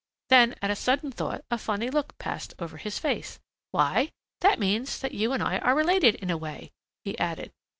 Then at a sudden thought a funny look passed over his face. "Why, that means that you and I are related in a way," he added.